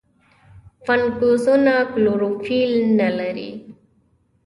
فنګسونه کلوروفیل نه لري.